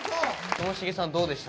ともしげさんどうでした？